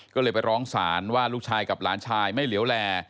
ก็เลยไปร้องศาลว่าลูกชายกับหลานชายไม่เหลวแล